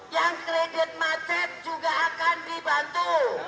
yang kredit macet juga akan dibantu